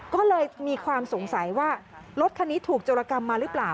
ก็เลยมีความสงสัยว่ารถคันนี้ถูกโจรกรรมมาหรือเปล่า